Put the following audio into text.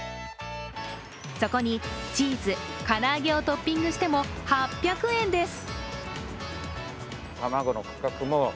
そこにチーズ、唐揚げをトッピングしても８００円です。